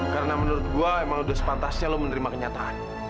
karena menurut gue emang udah sepantasnya lo menerima kenyataan